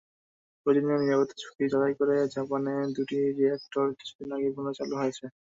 প্রয়োজনীয় নিরাপত্তাঝুঁকি যাচাই করে জাপানে দুটি রিঅ্যাকটর কিছুদিন আগে পুনরায় চালু হয়েছে।